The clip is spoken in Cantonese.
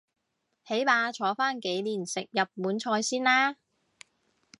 起碼坐返幾年食日本菜先啦